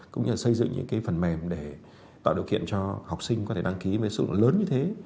cũng như là xây dựng những cái phần mềm để tạo điều kiện cho học sinh có thể đăng ký với sự lớn như thế